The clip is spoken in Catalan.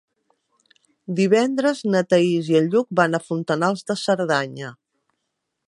Divendres na Thaís i en Lluc van a Fontanals de Cerdanya.